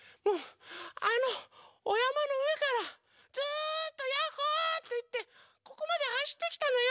あのおやまのうえからずっと「ヤッホー」っていってここまではしってきたのよ！